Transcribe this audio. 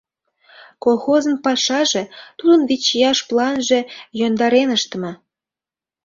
Колхозын пашаже, тудын вичияш планже йӧндарен ыштыме.